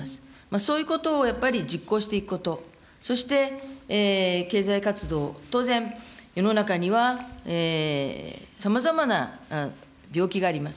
そういうことをやっぱり実行していくこと、そして、経済活動、当然、世の中にはさまざまな病気があります。